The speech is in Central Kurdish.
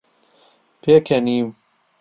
پێکەنیم.